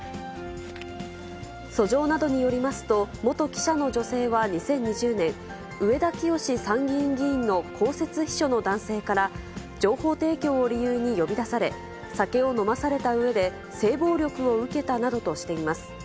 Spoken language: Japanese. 訴状などによりますと、元記者の女性は２０２０年、上田清司参議院議員の公設秘書の男性から、情報提供を理由に呼び出され、酒を飲まされたうえで性暴力を受けたなどとしています。